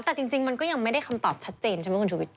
แต่จริงมันก็ยังไม่ได้คำตอบชัดเจนใช่ไหมคุณชุวิต